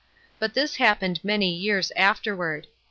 But this happened many years afterward.